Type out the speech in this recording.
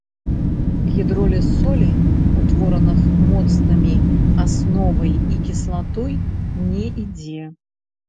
Гідроліз солей, утвораных моцнымі асновай і кіслатой, не ідзе.